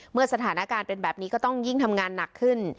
เมื่อสถานการณ์เป็นแบบนี้ก็ต้องยิ่งทำงานหนักขึ้น